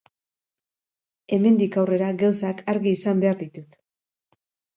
Hemendik aurrera, gauzak argi izan behar ditut.